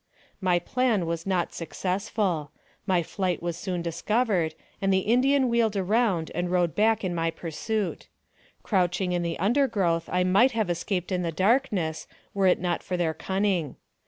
My plan was not successful. My flight was soon discovered, and the Indian wheeled around and rode back in my pursuit. Crouching in the undergrowth I might have escaped in the darkness, were it not for their cunning.